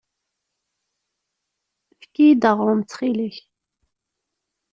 Efk-iyi-d aɣrum ttxil-k.